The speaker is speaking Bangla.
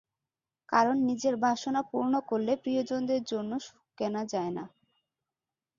কারণ নিজের বাসনা পূর্ণ করলে প্রিয়জনদের জন্য সুখ কেনা যায় না।